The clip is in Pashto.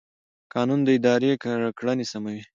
قانون د ادارې کړنې سموي.